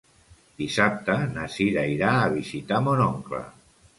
Dissabte na Sira irà a visitar mon oncle.